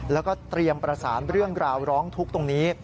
แล้วก็เตรียมประสานเรื่องราวร้องทุกข์ตรงนี้